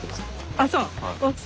ああそう。